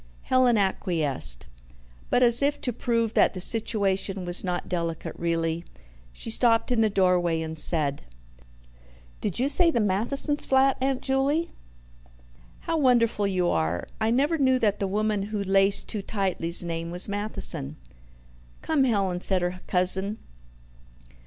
Helen acquiesced. But, as if to prove that the situation was not delicate really, she stopped in the doorway and said: "Did you say the Mathesons' flat, Aunt Juley? How wonderful you are! I never knew that the woman who laced too tightly's name was Matheson." "Come, Helen," said her cousin.